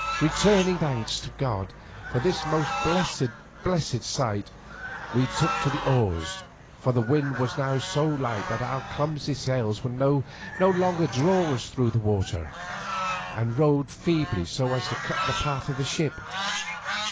Returning thanks to God for this most blessed sight, we took to the oars, for the wind was now so light that our clumsy sail would no longer draw us through the water, and rowed feebly so as to cut the path of the ship.